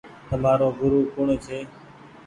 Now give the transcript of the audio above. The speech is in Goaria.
تمآرو گورو ڪوڻ ڇي۔